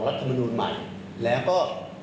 รัฐมนูลใหม่แล้วก็